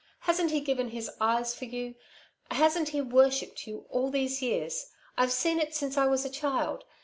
Hasn't he given his eyes for you? Hasn't he worshipped you all these years? I've seen it since I was a child.